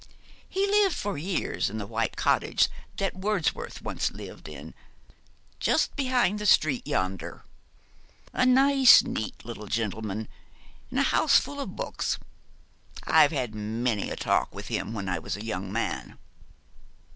He lived for years in the white cottage that Wordsworth once lived in, just behind the street yonder a nice, neat, lile gentleman, in a houseful of books. I've had many a talk with him when I was a young man.'